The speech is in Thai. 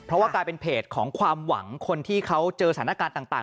เพราะว่ากลายเป็นเพจของความหวังคนที่เขาเจอสถานการณ์ต่าง